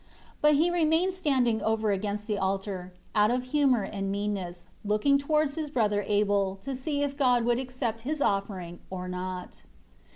21 But he remained standing over against the altar, out of humor and meanness, looking towards his brother Abel, to see if God would accept his offering or not.